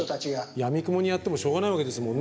やみくもにやってもしょうがないわけですね。